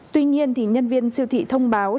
tuy nhiên thì nhân viên siêu thị thông báo